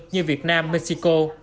như việt nam mexico